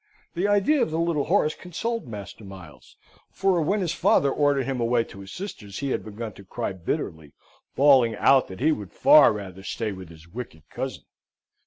The idea of the little horse consoled Master Miles; for, when his father ordered him away to his sisters, he had begun to cry bitterly, bawling out that he would far rather stay with his wicked cousin.